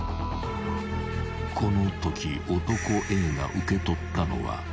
［このとき男Ａが受け取ったのは］